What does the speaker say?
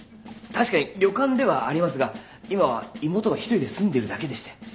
確かに旅館ではありますが今は妹が一人で住んでるだけでして。